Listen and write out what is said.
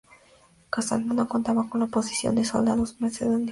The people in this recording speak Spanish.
Casandro no contaba con la oposición de los soldados macedonios.